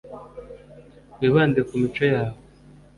wibande ku mico yawe